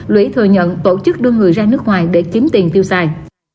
lũy thừa nhận tổ chức đưa người ra nước ngoài để kiếm tiền tiêu xài